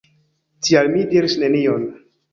Tial mi diris nenion.